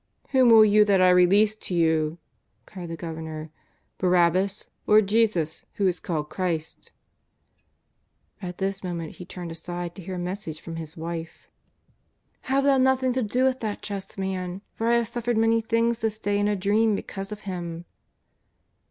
" Whom will you that I release to you," cried the Governor, " Barabbas, or Jesus who is called Christ ?" At this moment he turned aside to hear a message from his wife: JESUS OF NAZABETH. 851 *^ Have thou nothing to do with that just Man, for I have suffered many things this day in a dream be cause of Him."